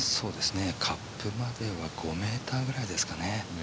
カップまでは５ｍぐらいですかね。